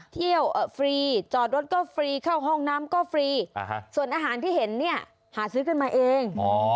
ฟรีจอดรถก็ฟรีเข้าห้องน้ำก็ฟรีส่วนอาหารที่เห็นเนี่ยหาซื้อกันมาเอง